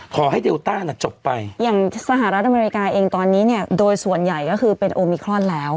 เดลต้าน่ะจบไปอย่างสหรัฐอเมริกาเองตอนนี้เนี่ยโดยส่วนใหญ่ก็คือเป็นโอมิครอนแล้ว